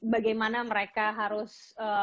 bagaimana mereka harus